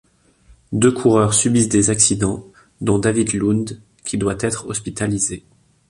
Deux coureurs subissent des accidents dont David Lund qui doit être hospitalisé.